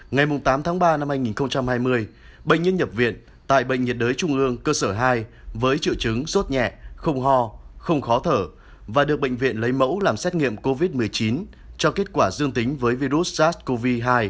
ngày tám tháng ba năm hai nghìn hai mươi bệnh nhân nhập viện tại bệnh nhiệt đới trung ương cơ sở hai với triệu chứng sốt nhẹ không ho không khó thở và được bệnh viện lấy mẫu làm xét nghiệm covid một mươi chín cho kết quả dương tính với virus sars cov hai